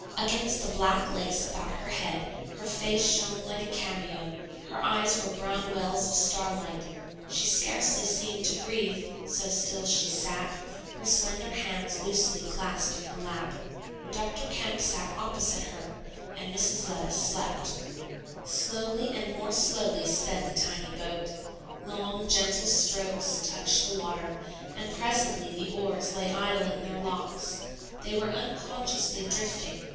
Against the black lace about her head her face shone like a cameo, her eyes were brown wells of starlight; she scarcely seemed to breathe, so still she sat, her slender hands loosely clasped in her lap. Dr. Kemp sat opposite her and Mrs. Levice slept. Slowly and more slowly sped the tiny boat; long gentle strokes touched the water; and presently the oars lay idle in their locks, they were unconsciously drifting.